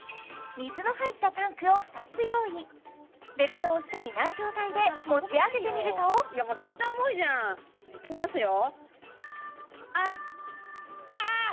水の入ったタンクを２つ用意ベルトをしていない状態で持ち上げてみるともう絶対重いじゃんいきますよ